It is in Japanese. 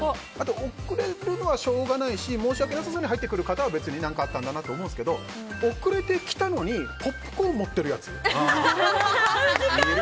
遅れるのはしょうがないし申し訳なさそうに入ってくる方は何かあったんだと思うけど遅れてきたのにポップコーン持ってるやつ。